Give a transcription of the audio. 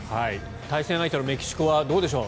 対戦相手のメキシコはどうでしょう